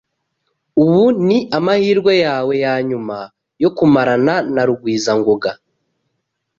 Ubu ni amahirwe yawe yanyuma yo kumarana na Rugwizangoga.